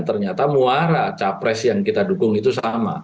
ternyata muara capres yang kita dukung itu sama